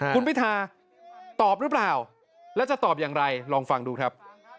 คุณพิทาตอบหรือเปล่าแล้วจะตอบอย่างไรลองฟังดูครับ